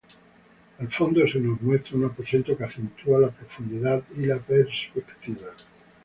Al fondo se nos muestra un aposento que acentúa la profundidad y la perspectiva.